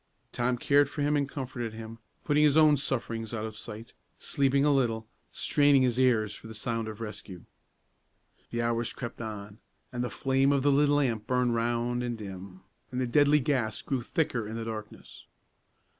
Tom cared for him and comforted him, putting his own sufferings out of sight; sleeping a little, straining his ears for a sound of rescue. The hours crept on, and the flame of the little lamp burned round and dim, and the deadly gas grew thicker in the darkness.